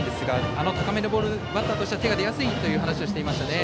あの高めのボールにバッターとしては手が出やすいという話をしていましたね。